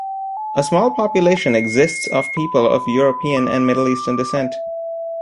A small population exists of people of European and Middle Eastern descent.